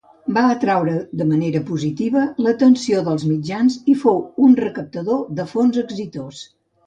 Va atraure de manera positiva l'atenció dels mitjans i fou un recaptador de fons exitós.